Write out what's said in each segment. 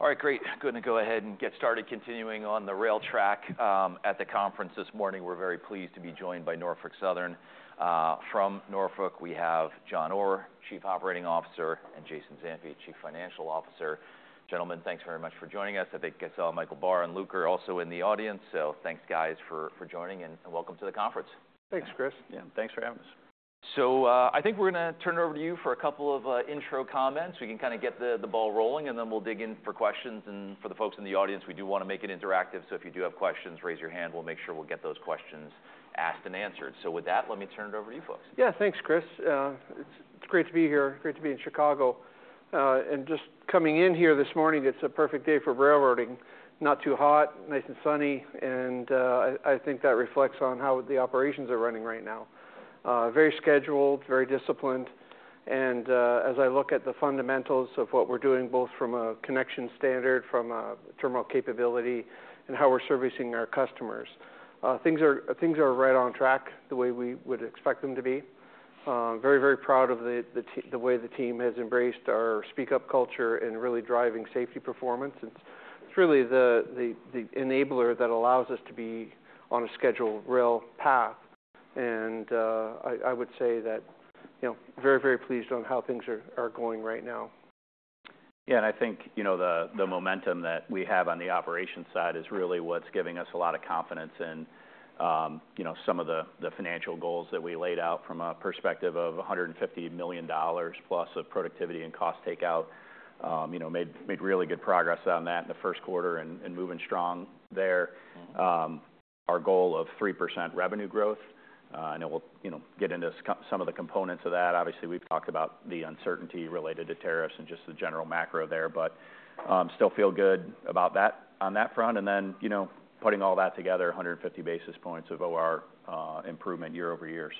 All right, great. Going to go ahead and get started, continuing on the rail track, at the conference this morning. We're very pleased to be joined by Norfolk Southern. From Norfolk, we have John Orr, Chief Operating Officer, and Jason Zampi, Chief Financial Officer. Gentlemen, thanks very much for joining us. I think I saw Michael Barr and Luke are also in the audience, so thanks, guys, for joining, and welcome to the conference. Thanks, Chris. Yeah, thanks for having us. I think we're going to turn it over to you for a couple of intro comments. We can kind of get the ball rolling, and then we'll dig in for questions. For the folks in the audience, we do want to make it interactive, so if you do have questions, raise your hand. We'll make sure we'll get those questions asked and answered. With that, let me turn it over to you folks. Yeah, thanks, Chris. It's great to be here, great to be in Chicago. Just coming in here this morning, it's a perfect day for railroading. Not too hot, nice and sunny, and I think that reflects on how the operations are running right now. Very scheduled, very disciplined, and as I look at the fundamentals of what we're doing, both from a connection standard, from a terminal capability, and how we're servicing our customers, things are right on track the way we would expect them to be. Very, very proud of the way the team has embraced our speak-up culture and really driving safety performance. It's really the enabler that allows us to be on a scheduled rail path, and I would say that, you know, very, very pleased on how things are going right now. Yeah, and I think, you know, the momentum that we have on the operations side is really what's giving us a lot of confidence in, you know, some of the financial goals that we laid out from a perspective of $150 million plus of productivity and cost takeout. You know, made really good progress on that in the first quarter and moving strong there. Our goal of 3% revenue growth, and it will, you know, get into some of the components of that. Obviously, we've talked about the uncertainty related to tariffs and just the general macro there, but still feel good about that on that front. And then, you know, putting all that together, 150 basis points of OR improvement year over year.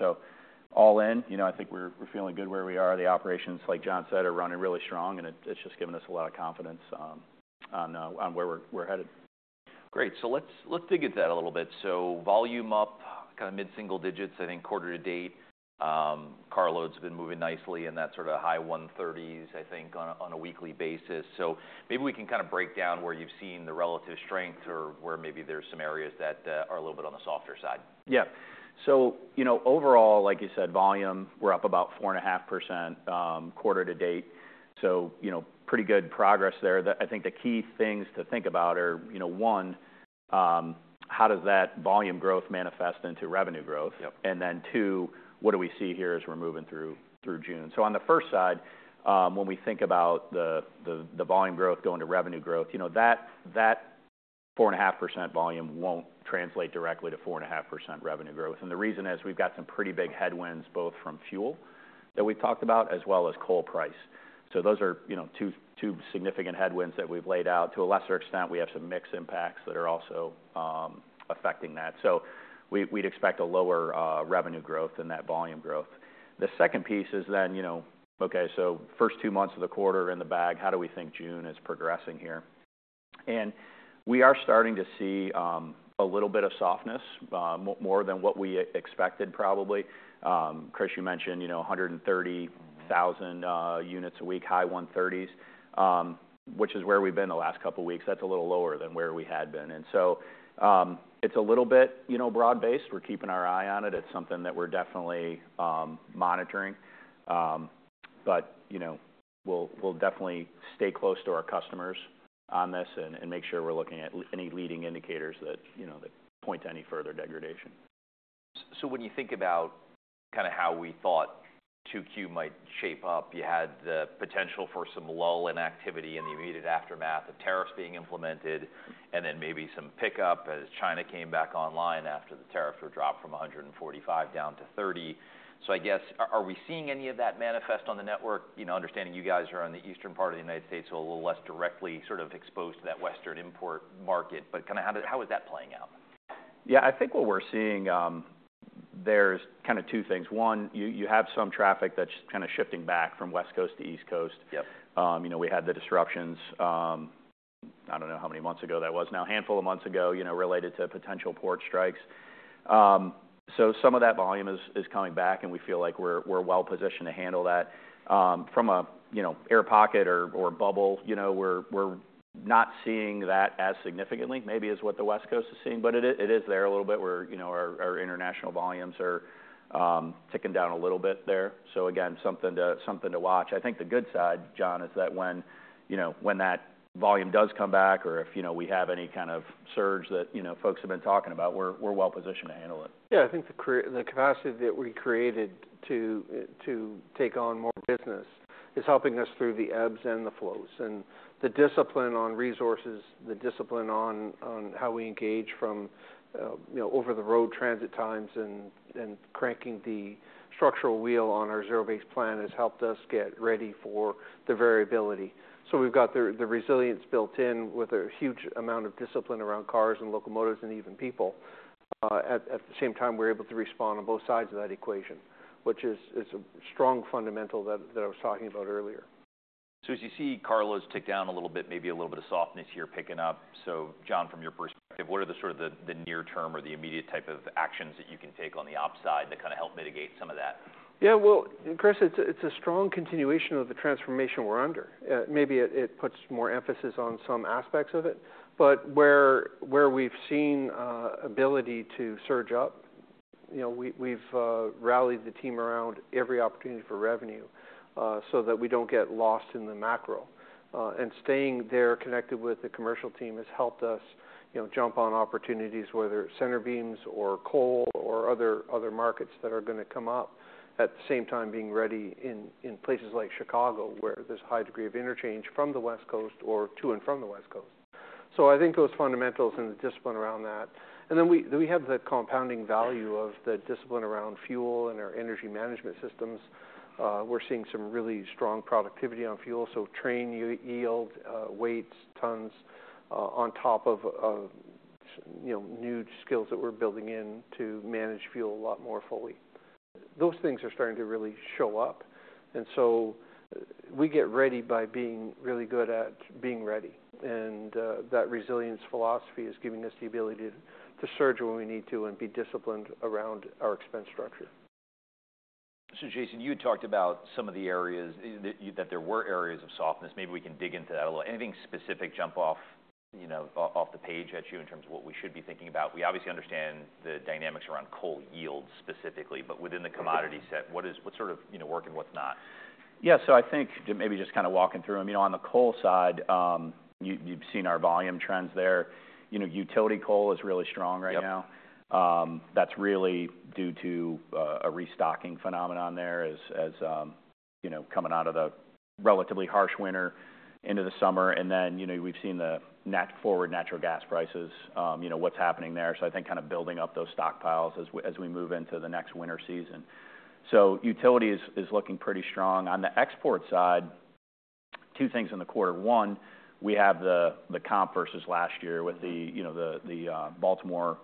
All in, you know, I think we're feeling good where we are. The operations, like John said, are running really strong, and it's just given us a lot of confidence on where we're headed. Great. Let's dig into that a little bit. Volume up, kind of mid-single digits, I think, quarter to date. Carloads have been moving nicely in that sort of high 130s, I think, on a weekly basis. Maybe we can kind of break down where you've seen the relative strength or where maybe there's some areas that are a little bit on the softer side. Yeah. So, you know, overall, like you said, volume, we're up about 4.5% quarter to date. So, you know, pretty good progress there. I think the key things to think about are, you know, one, how does that volume growth manifest into revenue growth? Yep. Two, what do we see here as we are moving through June. On the first side, when we think about the volume growth going to revenue growth, you know, that 4.5% volume will not translate directly to 4.5% revenue growth. The reason is we have some pretty big headwinds, both from fuel that we have talked about as well as coal price. Those are two significant headwinds that we have laid out. To a lesser extent, we have some mixed impacts that are also affecting that. We would expect a lower revenue growth than that volume growth. The second piece is then, you know, okay, first two months of the quarter in the bag, how do we think June is progressing here? We are starting to see a little bit of softness, more than what we expected, probably. Chris, you mentioned, you know, 130,000 units a week, high 130s, which is where we've been the last couple of weeks. That's a little lower than where we had been. It's a little bit, you know, broad-based. We're keeping our eye on it. It's something that we're definitely monitoring. You know, we'll definitely stay close to our customers on this and make sure we're looking at any leading indicators that, you know, point to any further degradation. When you think about kind of how we thought 2Q might shape up, you had the potential for some lull in activity in the immediate aftermath of tariffs being implemented, and then maybe some pickup as China came back online after the tariffs were dropped from 145 down to 30. I guess, are we seeing any of that manifest on the network? You know, understanding you guys are on the eastern part of the United States, so a little less directly sort of exposed to that Western import market, but kind of how is that playing out? Yeah, I think what we're seeing, there's kind of two things. One, you have some traffic that's kind of shifting back from West Coast to East Coast. Yep. You know, we had the disruptions, I do not know how many months ago that was, now a handful of months ago, you know, related to potential port strikes. Some of that volume is coming back, and we feel like we are well-positioned to handle that. From a, you know, air pocket or bubble, you know, we are not seeing that as significantly, maybe as what the West Coast is seeing, but it is there a little bit where, you know, our international volumes are ticking down a little bit there. Again, something to watch. I think the good side, John, is that when, you know, when that volume does come back or if, you know, we have any kind of surge that, you know, folks have been talking about, we are well-positioned to handle it. Yeah, I think the capacity that we created to take on more business is helping us through the ebbs and the flows. The discipline on resources, the discipline on how we engage from, you know, over-the-road transit times and cranking the structural wheel on our zero-based plan has helped us get ready for the variability. We have got the resilience built in with a huge amount of discipline around cars and locomotives and even people. At the same time, we are able to respond on both sides of that equation, which is a strong fundamental that I was talking about earlier. As you see carloads tick down a little bit, maybe a little bit of softness here picking up. John, from your perspective, what are the sort of the near-term or the immediate type of actions that you can take on the ops side to kind of help mitigate some of that? Yeah, Chris, it's a strong continuation of the transformation we're under. Maybe it puts more emphasis on some aspects of it, but where we've seen ability to surge up, you know, we've rallied the team around every opportunity for revenue so that we don't get lost in the macro. Staying there connected with the commercial team has helped us, you know, jump on opportunities, whether it's center beams or coal or other markets that are going to come up, at the same time being ready in places like Chicago where there's a high degree of interchange from the West Coast or to and from the West Coast. I think those fundamentals and the discipline around that. Then we have the compounding value of the discipline around fuel and our energy management systems. We're seeing some really strong productivity on fuel, so train, yield, weights, tons on top of, you know, new skills that we're building in to manage fuel a lot more fully. Those things are starting to really show up, and we get ready by being really good at being ready, and that resilience philosophy is giving us the ability to surge when we need to and be disciplined around our expense structure. Jason, you had talked about some of the areas that there were areas of softness. Maybe we can dig into that a little. Anything specific jump off, you know, off the page at you in terms of what we should be thinking about? We obviously understand the dynamics around coal yields specifically, but within the commodity set, what is what sort of, you know, work and what's not? Yeah, so I think maybe just kind of walking through them, you know, on the coal side, you've seen our volume trends there. You know, utility coal is really strong right now. Yeah. that's really due to a restocking phenomenon there as, you know, coming out of the relatively harsh winter into the summer. And then, you know, we've seen the net forward natural gas prices, you know, what's happening there. I think kind of building up those stockpiles as we move into the next winter season. Utility is looking pretty strong. On the export side, two things in the quarter. One, we have the comp versus last year with the, you know, the Baltimore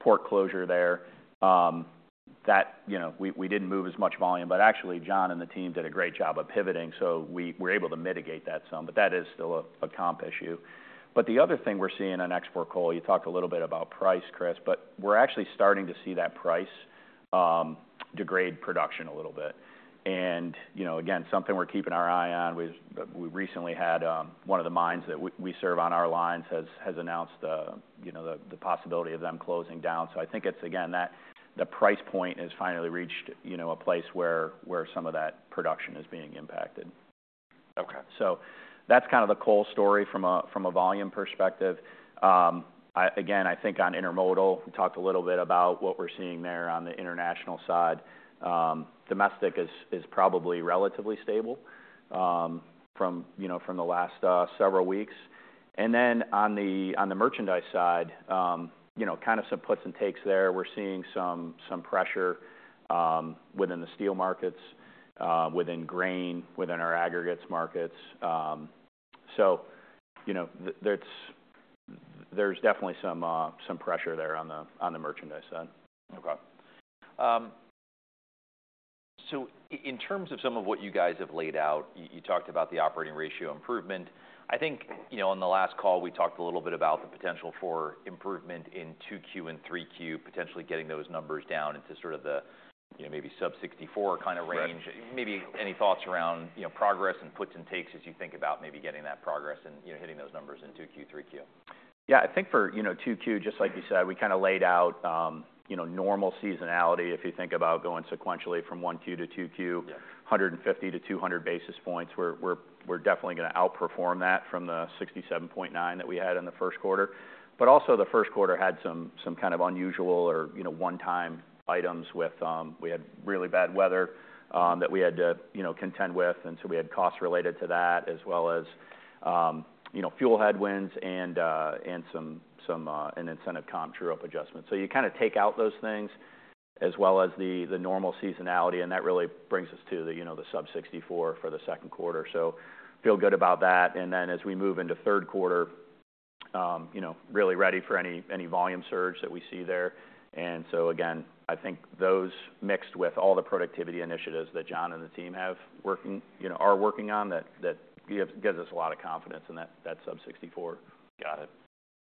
port closure there. You know, we didn't move as much volume, but actually, John and the team did a great job of pivoting, so we were able to mitigate that some, but that is still a comp issue. The other thing we're seeing on export coal, you talked a little bit about price, Chris, but we're actually starting to see that price degrade production a little bit. And, you know, again, something we're keeping our eye on. We recently had one of the mines that we serve on our lines announce, you know, the possibility of them closing down. I think it's, again, that the price point has finally reached, you know, a place where some of that production is being impacted. Okay. That's kind of the coal story from a volume perspective. Again, I think on intermodal, we talked a little bit about what we're seeing there on the international side. Domestic is probably relatively stable from, you know, the last several weeks. Then on the merchandise side, you know, kind of some puts and takes there. We're seeing some pressure within the steel markets, within grain, within our aggregates markets. So, you know, there's definitely some pressure there on the merchandise side. Okay. So in terms of some of what you guys have laid out, you talked about the operating ratio improvement. I think, you know, on the last call, we talked a little bit about the potential for improvement in 2Q and 3Q, potentially getting those numbers down into sort of the, you know, maybe sub-64 kind of range. Maybe any thoughts around, you know, progress and puts and takes as you think about maybe getting that progress and, you know, hitting those numbers in 2Q, 3Q? Yeah, I think for, you know, 2Q, just like you said, we kind of laid out, you know, normal seasonality if you think about going sequentially from 1Q to 2Q, 150-200 basis points. We're definitely going to outperform that from the 67.9 that we had in the first quarter. Also, the first quarter had some kind of unusual or, you know, one-time items with, we had really bad weather that we had to, you know, contend with. We had costs related to that as well as, you know, fuel headwinds and some, an incentive comp true-up adjustment. You kind of take out those things as well as the normal seasonality, and that really brings us to the, you know, the sub-64 for the second quarter. Feel good about that. As we move into third quarter, you know, really ready for any volume surge that we see there. I think those mixed with all the productivity initiatives that John and the team are working on, you know, gives us a lot of confidence in that sub-64. Got it.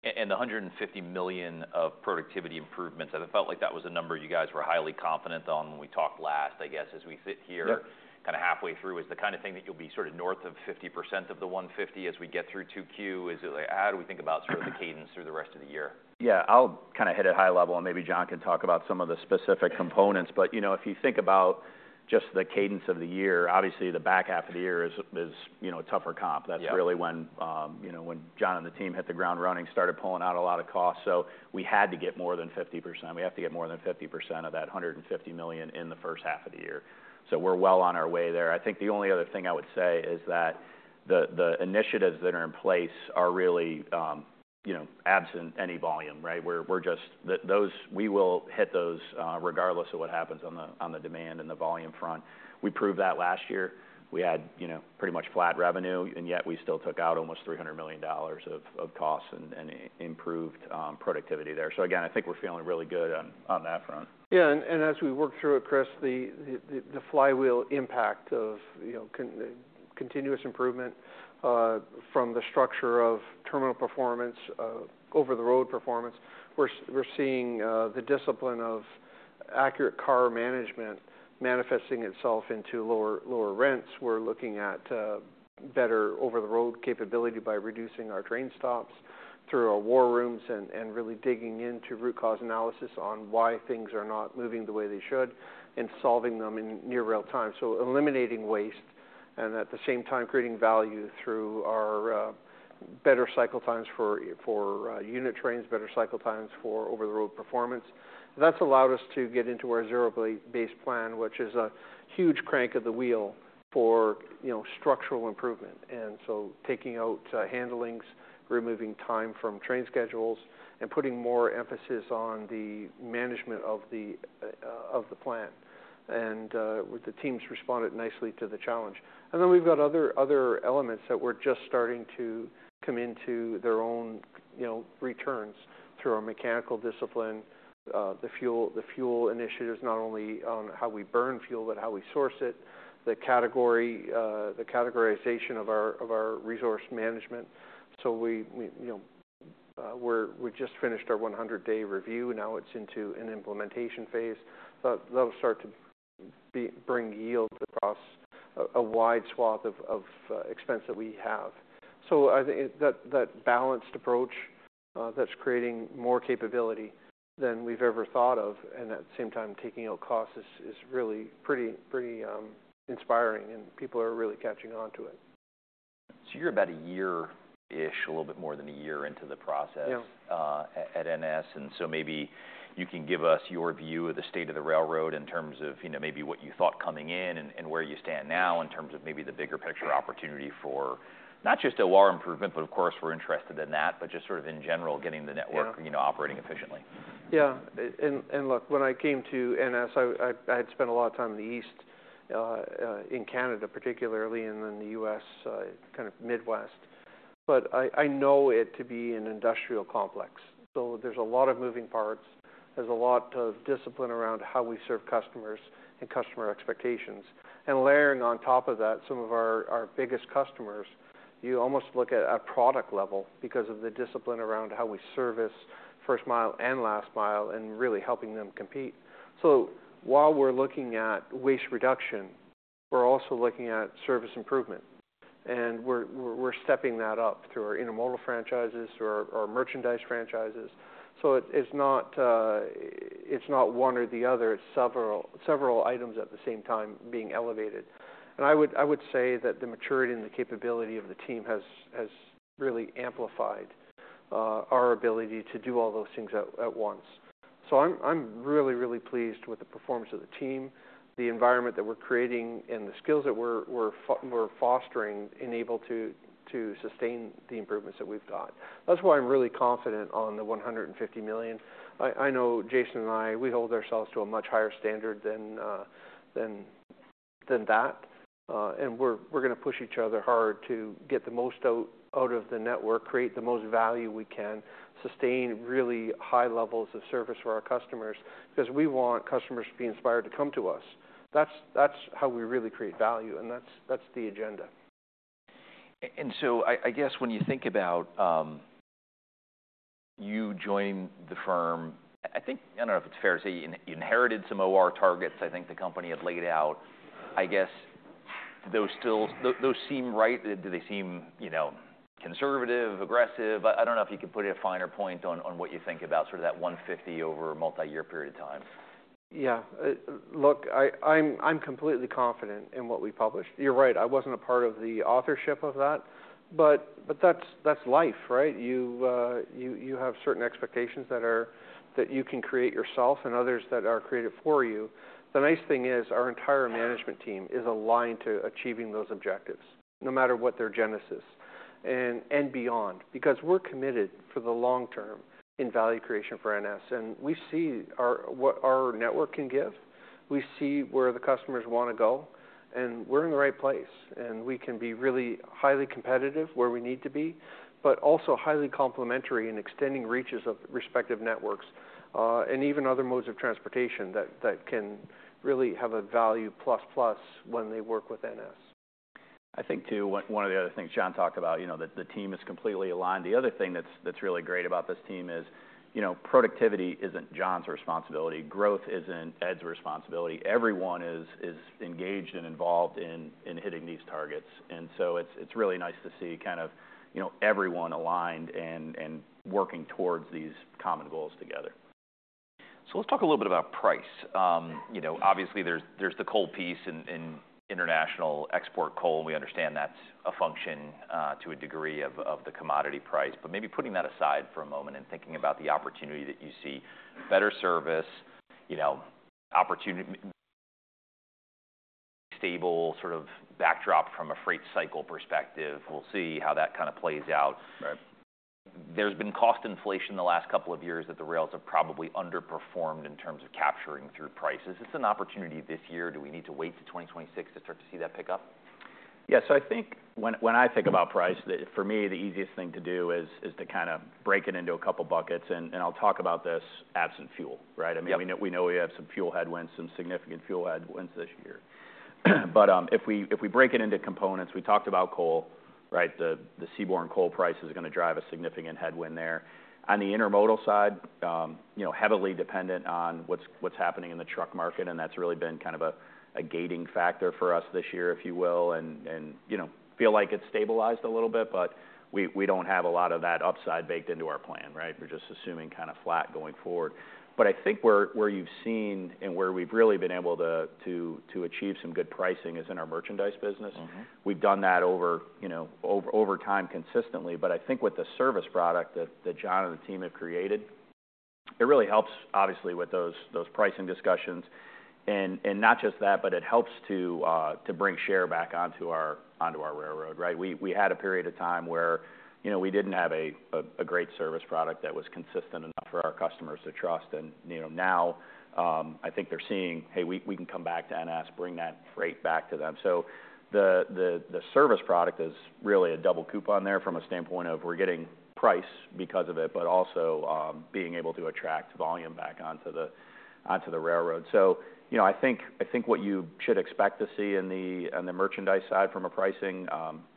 The $150 million of productivity improvements, I felt like that was a number you guys were highly confident on when we talked last, I guess, as we sit here. Yep. Kind of halfway through, is the kind of thing that you'll be sort of north of 50% of the $150 million as we get through 2Q? Is it like, how do we think about sort of the cadence through the rest of the year? Yeah, I'll kind of hit it high level, and maybe John can talk about some of the specific components. But, you know, if you think about just the cadence of the year, obviously the back half of the year is, you know, a tougher comp. That's really when, you know, when John and the team hit the ground running, started pulling out a lot of costs. So we had to get more than 50%. We have to get more than 50% of that $150 million in the first half of the year. So we're well on our way there. I think the only other thing I would say is that the initiatives that are in place are really, you know, absent any volume, right? We're just, those, we will hit those regardless of what happens on the demand and the volume front. We proved that last year. We had, you know, pretty much flat revenue, and yet we still took out almost $300 million of costs and improved productivity there. Again, I think we're feeling really good on that front. Yeah, and as we work through it, Chris, the flywheel impact of, you know, continuous improvement from the structure of terminal performance, over-the-road performance, we're seeing the discipline of accurate car management manifesting itself into lower rents. We're looking at better over-the-road capability by reducing our drain stops through our war rooms and really digging into root cause analysis on why things are not moving the way they should and solving them in near real time. Eliminating waste and at the same time creating value through our better cycle times for unit trains, better cycle times for over-the-road performance. That has allowed us to get into our zero-based plan, which is a huge crank of the wheel for, you know, structural improvement. Taking out handlings, removing time from train schedules, and putting more emphasis on the management of the plan. The teams responded nicely to the challenge. We have other elements that are just starting to come into their own, you know, returns through our mechanical discipline, the fuel initiatives, not only on how we burn fuel, but how we source it, the categorization of our resource management. You know, we just finished our 100-day review. Now it is into an implementation phase. That will start to bring yield across a wide swath of expense that we have. I think that balanced approach that is creating more capability than we have ever thought of, and at the same time taking out costs, is really pretty inspiring, and people are really catching on to it. So you're about a year-ish, a little bit more than a year into the process. Yeah. At NS, and so maybe you can give us your view of the state of the railroad in terms of, you know, maybe what you thought coming in and where you stand now in terms of maybe the bigger picture opportunity for not just OR improvement, but of course we're interested in that, but just sort of in general getting the network, you know, operating efficiently. Yeah, and look, when I came to NS, I had spent a lot of time in the East, in Canada particularly, and then the U.S., kind of Midwest. I know it to be an industrial complex. There are a lot of moving parts. There is a lot of discipline around how we serve customers and customer expectations. Layering on top of that, some of our biggest customers, you almost look at a product level because of the discipline around how we service first mile and last mile and really helping them compete. While we are looking at waste reduction, we are also looking at service improvement. We are stepping that up through our intermodal franchises, through our merchandise franchises. It is not one or the other. It is several items at the same time being elevated. I would say that the maturity and the capability of the team has really amplified our ability to do all those things at once. I'm really, really pleased with the performance of the team, the environment that we're creating, and the skills that we're fostering in able to sustain the improvements that we've got. That's why I'm really confident on the $150 million. I know Jason and I, we hold ourselves to a much higher standard than that. We're going to push each other hard to get the most out of the network, create the most value we can, sustain really high levels of service for our customers because we want customers to be inspired to come to us. That's how we really create value, and that's the agenda. I guess when you think about you joining the firm, I think, I do not know if it is fair to say you inherited some OR targets I think the company had laid out. I guess those still, those seem right? Do they seem, you know, conservative, aggressive? I do not know if you could put a finer point on what you think about sort of that $150 million over a multi-year period of time. Yeah, look, I'm completely confident in what we published. You're right. I wasn't a part of the authorship of that, but that's life, right? You have certain expectations that you can create yourself and others that are created for you. The nice thing is our entire management team is aligned to achieving those objectives, no matter what their genesis and beyond, because we're committed for the long term in value creation for NS. We see what our network can give. We see where the customers want to go, and we're in the right place. We can be really highly competitive where we need to be, but also highly complementary in extending reaches of respective networks and even other modes of transportation that can really have a value plus plus when they work with NS. I think too, one of the other things John talked about, you know, that the team is completely aligned. The other thing that's really great about this team is, you know, productivity isn't John's responsibility. Growth isn't Ed's responsibility. Everyone is engaged and involved in hitting these targets. It is really nice to see kind of, you know, everyone aligned and working towards these common goals together. Let's talk a little bit about price. You know, obviously there's the coal piece in international export coal, and we understand that's a function to a degree of the commodity price. Maybe putting that aside for a moment and thinking about the opportunity that you see, better service, you know, opportunity, stable sort of backdrop from a freight cycle perspective. We'll see how that kind of plays out. Right. There's been cost inflation the last couple of years that the rails have probably underperformed in terms of capturing through prices. It's an opportunity this year. Do we need to wait to 2026 to start to see that pick up? Yeah, so I think when I think about price, for me, the easiest thing to do is to kind of break it into a couple buckets. I'll talk about this absent fuel, right? I mean, we know we have some fuel headwinds, some significant fuel headwinds this year. If we break it into components, we talked about coal, right? The seaborne coal price is going to drive a significant headwind there. On the intermodal side, you know, heavily dependent on what's happening in the truck market, and that's really been kind of a gating factor for us this year, if you will, and, you know, feel like it's stabilized a little bit, but we don't have a lot of that upside baked into our plan, right? We're just assuming kind of flat going forward. I think where you've seen and where we've really been able to achieve some good pricing is in our merchandise business. We've done that over, you know, over time consistently. I think with the service product that John and the team have created, it really helps, obviously, with those pricing discussions. Not just that, but it helps to bring share back onto our railroad, right? We had a period of time where, you know, we didn't have a great service product that was consistent enough for our customers to trust. You know, now I think they're seeing, hey, we can come back to NS, bring that freight back to them. The service product is really a double coupon there from a standpoint of we're getting price because of it, but also being able to attract volume back onto the railroad. You know, I think what you should expect to see in the merchandise side from a pricing,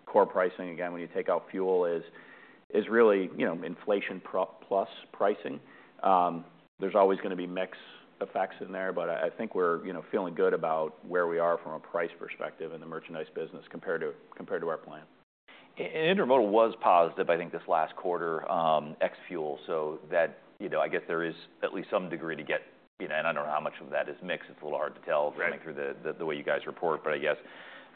core pricing, again, when you take out fuel is really, you know, inflation plus pricing. There is always going to be mixed effects in there, but I think we are, you know, feeling good about where we are from a price perspective in the merchandise business compared to our plan. Intermodal was positive, I think, this last quarter, ex-fuel. So that, you know, I guess there is at least some degree to get, you know, and I do not know how much of that is mixed. It is a little hard to tell coming through the way you guys report, but I guess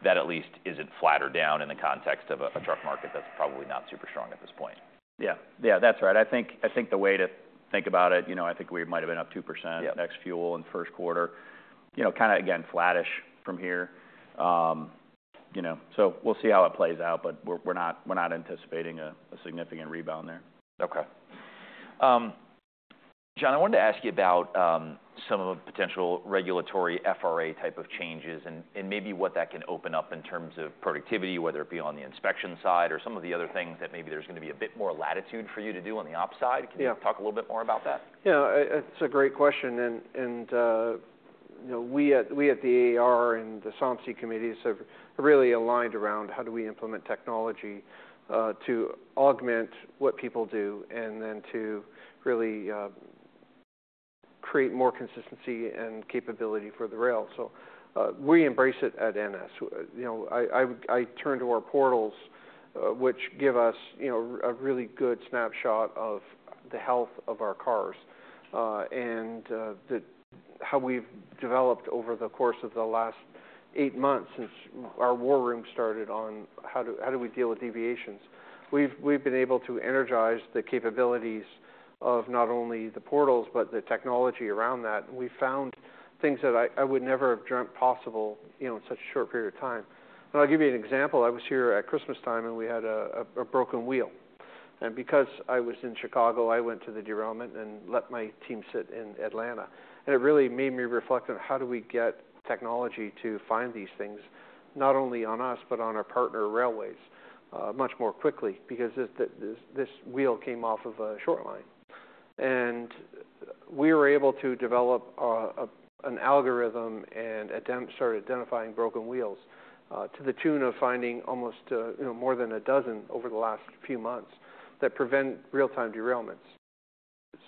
that at least is not flattered down in the context of a truck market that is probably not super strong at this point. Yeah, yeah, that's right. I think the way to think about it, you know, I think we might have been up 2% ex-fuel in first quarter, you know, kind of again, flattish from here. You know, so we'll see how it plays out, but we're not anticipating a significant rebound there. Okay. John, I wanted to ask you about some of the potential regulatory FRA type of changes and maybe what that can open up in terms of productivity, whether it be on the inspection side or some of the other things that maybe there's going to be a bit more latitude for you to do on the ops side. Can you talk a little bit more about that? Yeah, it's a great question. You know, we at the AR and the SAMSI committees have really aligned around how do we implement technology to augment what people do and then to really create more consistency and capability for the rail. We embrace it at NS. You know, I turn to our portals, which give us a really good snapshot of the health of our cars and how we've developed over the course of the last eight months since our war room started on how do we deal with deviations. We've been able to energize the capabilities of not only the portals, but the technology around that. We found things that I would never have dreamt possible, you know, in such a short period of time. I'll give you an example. I was here at Christmas time and we had a broken wheel. Because I was in Chicago, I went to the derailment and let my team sit in Atlanta. It really made me reflect on how do we get technology to find these things, not only on us, but on our partner railways much more quickly because this wheel came off of a short line. We were able to develop an algorithm and start identifying broken wheels to the tune of finding almost more than a dozen over the last few months that prevent real-time derailments.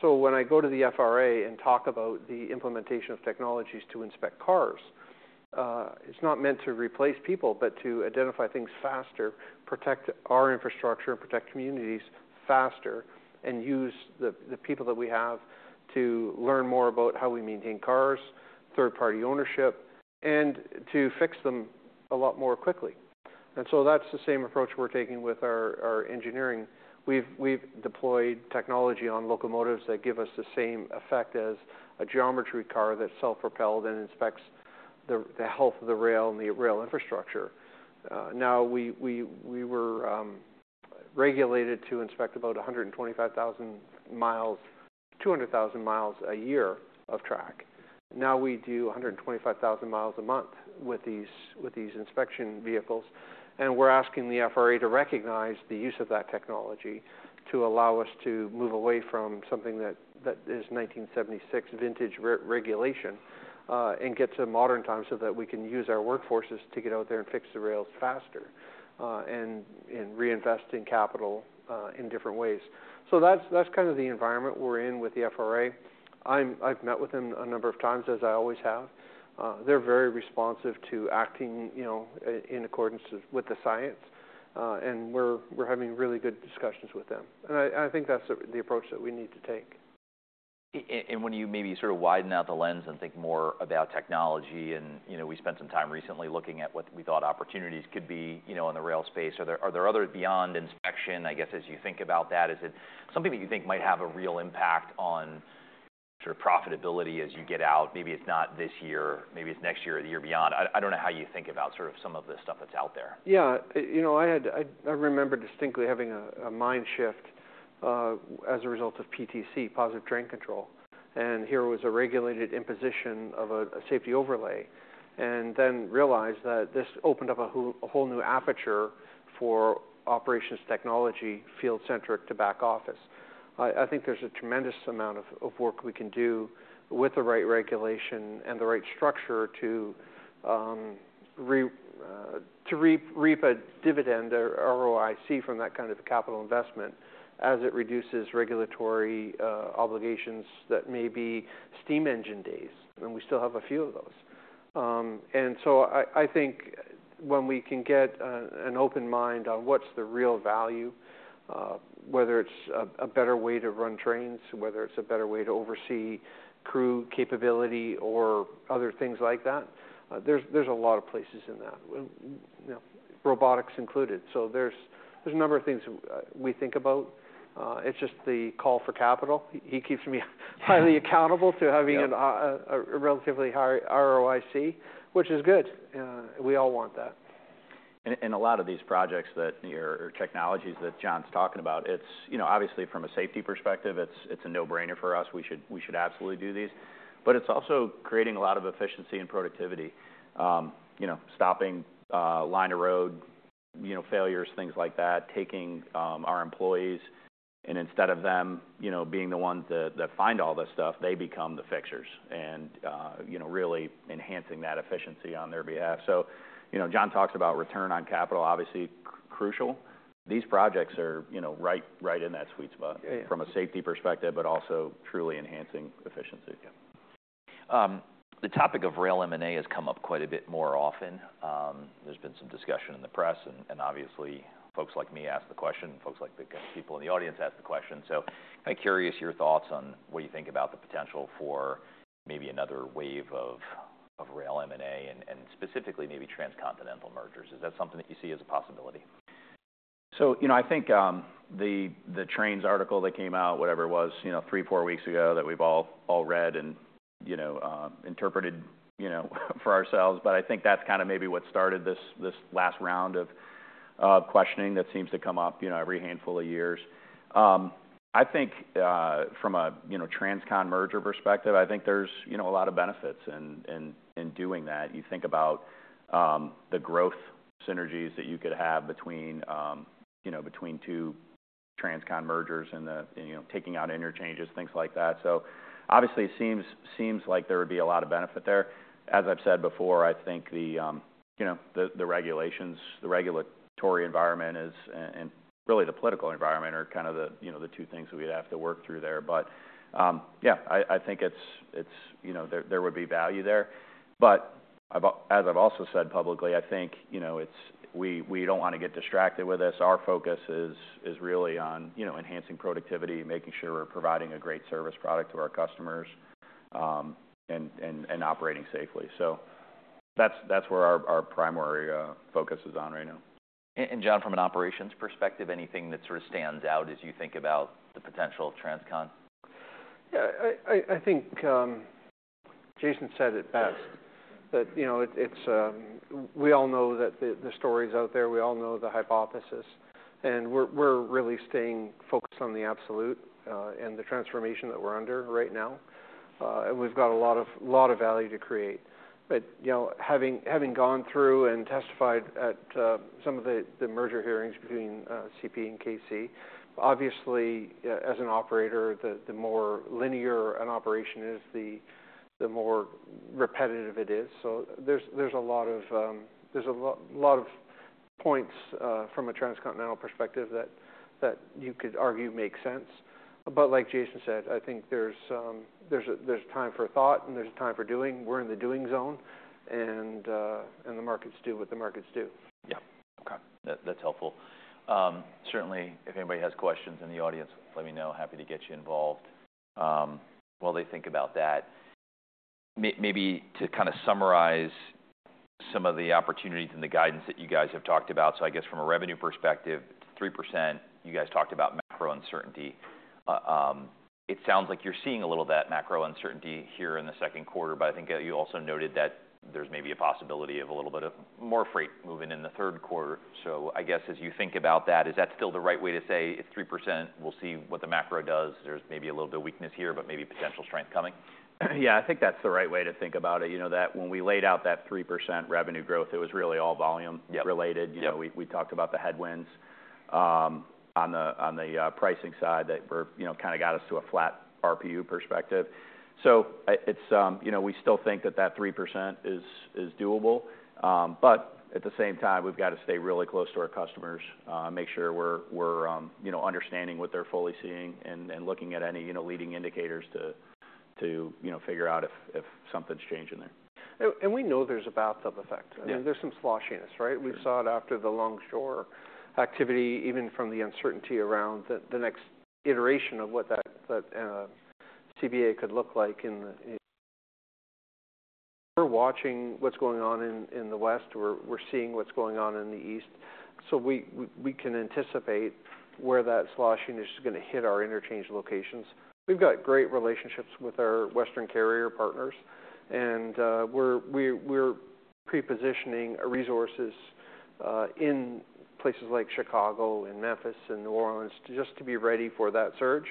When I go to the FRA and talk about the implementation of technologies to inspect cars, it's not meant to replace people, but to identify things faster, protect our infrastructure and protect communities faster, and use the people that we have to learn more about how we maintain cars, third-party ownership, and to fix them a lot more quickly. That is the same approach we are taking with our engineering. We have deployed technology on locomotives that give us the same effect as a geometry car that is self-propelled and inspects the health of the rail and the rail infrastructure. Now we are regulated to inspect about 125,000 mi, 200,000 mi a year of track. Now we do 125,000 mi a month with these inspection vehicles. We are asking the FRA to recognize the use of that technology to allow us to move away from something that is 1976 vintage regulation and get to modern times so that we can use our workforces to get out there and fix the rails faster and reinvest in capital in different ways. That is kind of the environment we are in with the FRA. I have met with them a number of times, as I always have. They're very responsive to acting, you know, in accordance with the science. We're having really good discussions with them. I think that's the approach that we need to take. When you maybe sort of widen out the lens and think more about technology and, you know, we spent some time recently looking at what we thought opportunities could be, you know, in the rail space, are there others beyond inspection, I guess, as you think about that? Is it something that you think might have a real impact on sort of profitability as you get out? Maybe it is not this year, maybe it is next year or the year beyond. I do not know how you think about sort of some of the stuff that is out there. Yeah, you know, I remember distinctly having a mind shift as a result of PTC, positive train control. Here was a regulated imposition of a safety overlay and then realized that this opened up a whole new aperture for operations technology, field-centric to back office. I think there is a tremendous amount of work we can do with the right regulation and the right structure to reap a dividend or ROIC from that kind of capital investment as it reduces regulatory obligations that may be steam engine days. We still have a few of those. I think when we can get an open mind on what is the real value, whether it is a better way to run trains, whether it is a better way to oversee crew capability or other things like that, there is a lot of places in that, robotics included. There's a number of things we think about. It's just the call for capital. He keeps me highly accountable to having a relatively high ROIC, which is good. We all want that. A lot of these projects that are technologies that John's talking about, it's, you know, obviously from a safety perspective, it's a no-brainer for us. We should absolutely do these. It's also creating a lot of efficiency and productivity, you know, stopping line of road, you know, failures, things like that, taking our employees and instead of them, you know, being the ones that find all this stuff, they become the fixers and, you know, really enhancing that efficiency on their behalf. You know, John talks about return on capital, obviously crucial. These projects are, you know, right in that sweet spot from a safety perspective, but also truly enhancing efficiency. The topic of rail M&A has come up quite a bit more often. There's been some discussion in the press and obviously folks like me ask the question, folks like the people in the audience ask the question. I'm curious your thoughts on what you think about the potential for maybe another wave of rail M&A and specifically maybe transcontinental mergers. Is that something that you see as a possibility? You know, I think the Trains article that came out, whatever it was, three, four weeks ago that we've all read and, you know, interpreted, you know, for ourselves. I think that's kind of maybe what started this last round of questioning that seems to come up every handful of years. I think from a, you know, transcon merger perspective, I think there's a lot of benefits in doing that. You think about the growth synergies that you could have between, you know, between two transcon mergers and taking out interchanges, things like that. Obviously it seems like there would be a lot of benefit there. As I've said before, I think the, you know, the regulations, the regulatory environment and really the political environment are kind of the, you know, the two things we'd have to work through there. Yeah, I think it's, you know, there would be value there. As I've also said publicly, I think, you know, we don't want to get distracted with this. Our focus is really on, you know, enhancing productivity, making sure we're providing a great service product to our customers and operating safely. That is where our primary focus is on right now. John, from an operations perspective, anything that sort of stands out as you think about the potential of transcon? Yeah, I think Jason said it best that, you know, we all know that the story is out there. We all know the hypothesis. We're really staying focused on the absolute and the transformation that we're under right now. We've got a lot of value to create. You know, having gone through and testified at some of the merger hearings between CP and KC, obviously as an operator, the more linear an operation is, the more repetitive it is. There's a lot of points from a transcontinental perspective that you could argue make sense. Like Jason said, I think there's time for thought and there's time for doing. We're in the doing zone and the markets do what the markets do. Yeah. Okay. That's helpful. Certainly, if anybody has questions in the audience, let me know. Happy to get you involved while they think about that. Maybe to kind of summarize some of the opportunities and the guidance that you guys have talked about. So I guess from a revenue perspective 3%, you guys talked about macro uncertainty. It sounds like you're seeing a little of that macro uncertainty here in the second quarter, but I think you also noted that there's maybe a possibility of a little bit of more freight moving in the third quarter. So I guess as you think about that, is that still the right way to say it's 3%? We'll see what the macro does. There's maybe a little bit of weakness here, but maybe potential strength coming? Yeah, I think that's the right way to think about it. You know, that when we laid out that 3% revenue growth, it was really all volume related. You know, we talked about the headwinds on the pricing side that were, you know, kind of got us to a flat RPU perspective. It's, you know, we still think that that 3% is doable. At the same time, we've got to stay really close to our customers, make sure we're, you know, understanding what they're fully seeing and looking at any, you know, leading indicators to, you know, figure out if something's changing there. We know there's a bad sub-effect. I mean, there's some sloshiness, right? We saw it after the long shore activity, even from the uncertainty around the next iteration of what that CBA could look like. We're watching what's going on in the West. We're seeing what's going on in the East. We can anticipate where that sloshiness is going to hit our interchange locations. We've got great relationships with our Western carrier partners. We're prepositioning resources in places like Chicago, in Memphis, in New Orleans just to be ready for that surge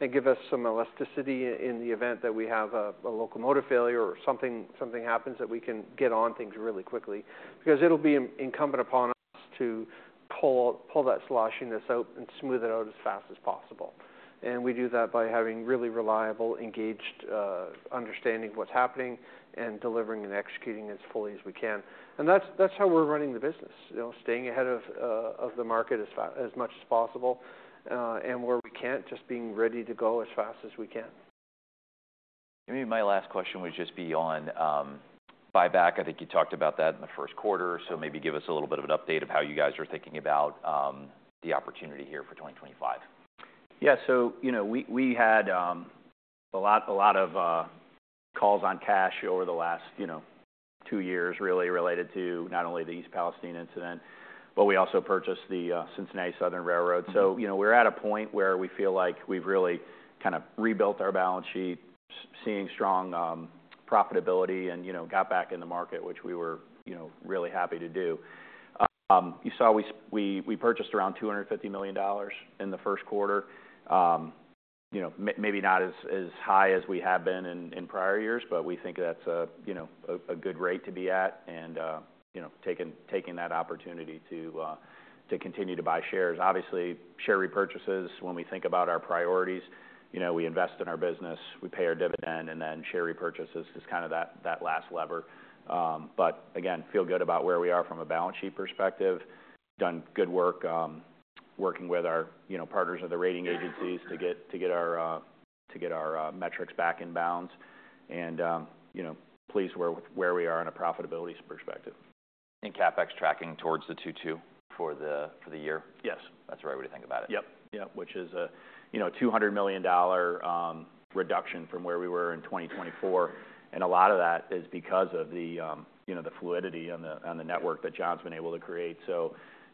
and give us some elasticity in the event that we have a locomotive failure or something happens that we can get on things really quickly because it'll be incumbent upon us to pull that sloshiness out and smooth it out as fast as possible. We do that by having really reliable, engaged understanding of what's happening and delivering and executing as fully as we can. That is how we're running the business, you know, staying ahead of the market as much as possible. Where we can't, just being ready to go as fast as we can. Maybe my last question would just be on buyback. I think you talked about that in the first quarter. Maybe give us a little bit of an update of how you guys are thinking about the opportunity here for 2025. Yeah. So, you know, we had a lot of calls on cash over the last, you know, two years really related to not only the East Palestine incident, but we also purchased the Cincinnati Southern Railway. So, you know, we're at a point where we feel like we've really kind of rebuilt our balance sheet, seeing strong profitability and, you know, got back in the market, which we were, you know, really happy to do. You saw we purchased around $250 million in the first quarter. You know, maybe not as high as we have been in prior years, but we think that's a, you know, a good rate to be at and, you know, taking that opportunity to continue to buy shares. Obviously, share repurchases, when we think about our priorities, you know, we invest in our business, we pay our dividend, and then share repurchase is kind of that last lever. Again, feel good about where we are from a balance sheet perspective. Done good work working with our, you know, partners at the rating agencies to get our metrics back in bounds. You know, pleased where we are on a profitability perspective. CapEx tracking towards the 2.2 for the year? Yes. That's the right way to think about it. Yep. Yep. Which is a, you know, $200 million reduction from where we were in 2024. And a lot of that is because of the, you know, the fluidity on the network that John's been able to create.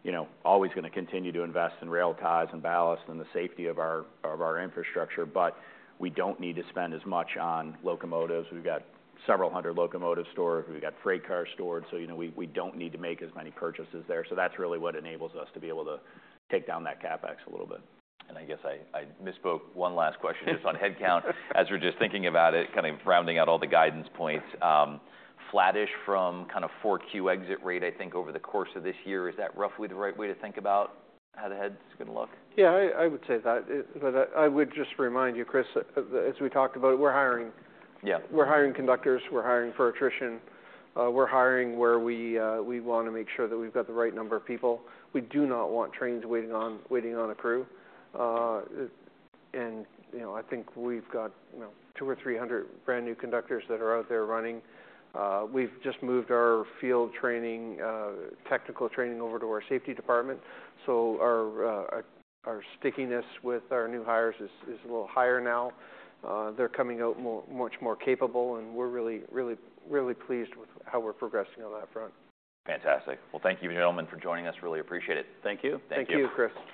You know, always going to continue to invest in rail ties and ballast and the safety of our infrastructure. But we don't need to spend as much on locomotives. We've got several hundred locomotives stored. We've got freight cars stored. You know, we don't need to make as many purchases there. That's really what enables us to be able to take down that CapEx a little bit. I guess I miss spoke. One last question just on headcount as we're just thinking about it, kind of rounding out all the guidance points. Flattish from kind of Q4 exit rate, I think over the course of this year. Is that roughly the right way to think about how the head's going to look? Yeah, I would say that. I would just remind you, Chris, as we talked about it, we're hiring. We're hiring conductors. We're hiring for attrition. We're hiring where we want to make sure that we've got the right number of people. We do not want trains waiting on a crew. You know, I think we've got two or three hundred brand new conductors that are out there running. We've just moved our field training, technical training over to our safety department. Our stickiness with our new hires is a little higher now. They're coming out much more capable and we're really, really, really pleased with how we're progressing on that front. Fantastic. Thank you, gentlemen, for joining us. Really appreciate it. Thank you. Thank you, Chris.